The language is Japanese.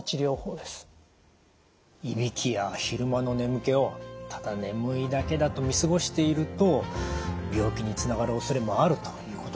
いびきや昼間の眠気をただ眠いだけだと見過ごしていると病気につながるおそれもあるということなんですね。